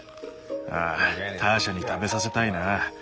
ああターシャに食べさせたいな。